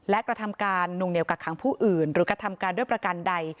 และกระทำการนุ่งเหนียวกักขังผู้อื่นหรือกระทำการด้วยประกันใด